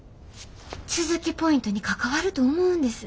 都築ポイントに関わると思うんです。